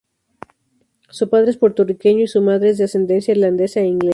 Su padre es puertorriqueño y su madre es de ascendencia irlandesa e inglesa.